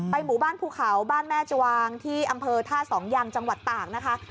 หมู่บ้านภูเขาบ้านแม่จวางที่อำเภอท่าสองยังจังหวัดตากนะคะ